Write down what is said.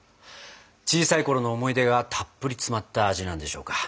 小さいころの思い出がたっぷり詰まった味なんでしょうか。